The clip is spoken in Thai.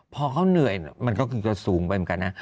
พอเขาเหนื่อยมันก็คือจะสูงไปเหมือนกันนะ